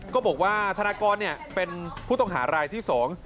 ก็บอกว่าธนากรเนี่ยเป็นผู้ต้องหารายที่สอง